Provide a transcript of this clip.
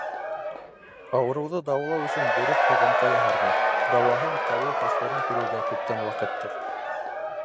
Ауырыуҙы дауалау өсөн дөрөҫ һығымта яһарға, дауаһын табыу хәстәрен күрергә күптән ваҡыттыр.